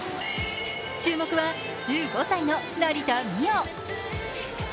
注目は１５歳の成田実生。